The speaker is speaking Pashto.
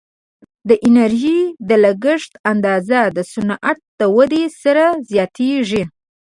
د انرژي د لګښت اندازه د صنعت د ودې سره زیاتیږي.